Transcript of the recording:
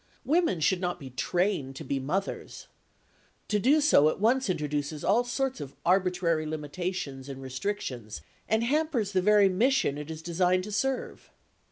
Women should not be trained to be mothers; to do so at once introduces all sorts of arbitrary limitations and restrictions and hampers the very mission it is designed to serve.